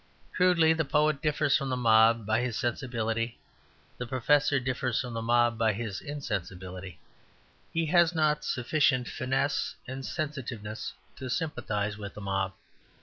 Crudely, the poet differs from the mob by his sensibility; the professor differs from the mob by his insensibility. He has not sufficient finesse and sensitiveness to sympathize with the mob.